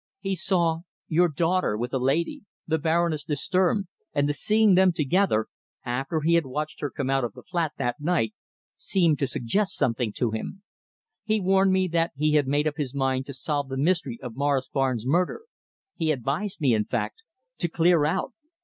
He saw your daughter with a lady the Baroness de Sturm, and the seeing them together, after he had watched her come out of the flat that night, seemed to suggest something to him. He warned me that he had made up his mind to solve the mystery of Morris Barnes' murder; he advised me, in fact, to clear out.